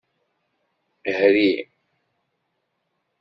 Hri.